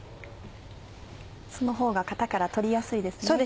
そのほうが型から取りやすいですね。